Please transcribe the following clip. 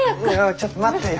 ちょっと待ってよ。